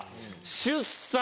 出産。